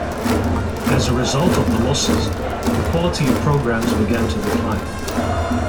As a result of the losses, the quality of programmes began to decline.